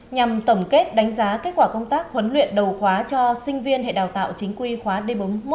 nhằm tổng kết đánh giá kết quả công tác huấn luyện đầu khóa cho sinh viên hệ đào tạo chính quy khóa d bốn mươi một